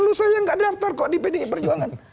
lu saya nggak daftar kok di pdi perjuangan